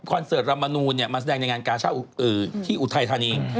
คอนเสิร์ตรามนูนมาแสดงในงานการ์ช่าอือที่อุทัยธานีง